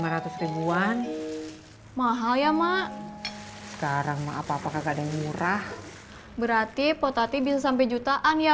rp dua ratus ribuan mahal ya mak sekarang maaf apakah ada yang murah berarti potati bisa sampai jutaan ya